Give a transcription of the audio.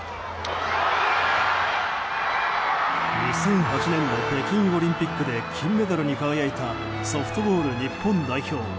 ２００８年の北京オリンピックで金メダルに輝いたソフトボール日本代表。